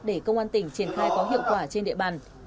để công an tỉnh triển khai có hiệu quả trên địa bàn